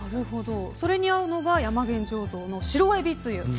それに合うのが山元醸造の白えびつゆ。